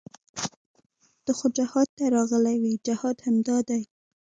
ته خو جهاد ته راغلى وې جهاد همدا دى.